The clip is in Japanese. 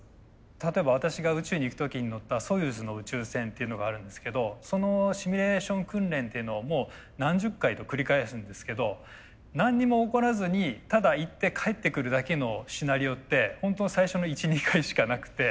例えば私が宇宙に行く時に乗ったソユーズの宇宙船っていうのがあるんですけどそのシミュレーション訓練っていうのをもう何十回と繰り返すんですけど何にも起こらずにただ行って帰ってくるだけのシナリオって本当最初の１２回しかなくて。